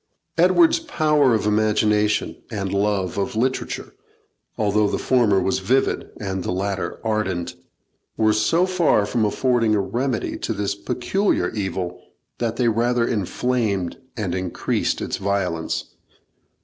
Edward's power of imagination and love of literature, although the former was vivid and the latter ardent, were so far from affording a remedy to this peculiar evil, that they rather inflamed and increased its violence.